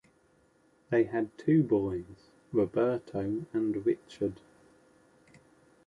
They had two boys, Roberto and Richard.